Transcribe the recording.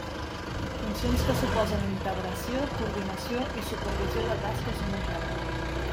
Funcions que suposen integració, coordinació i supervisió de tasques homogènies.